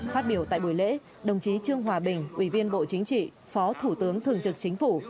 phát biểu tại buổi lễ đồng chí trương hòa bình ủy viên bộ chính trị phó thủ tướng thường trực chính phủ